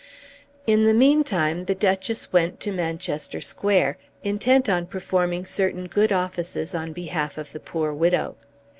In the meantime the Duchess went to Manchester Square intent on performing certain good offices on behalf of the poor widow.